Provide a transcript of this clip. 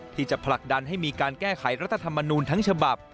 ที่จะผลักดันให้มีการแก้ไขรัฐธรรมนูลทั้งฉบับ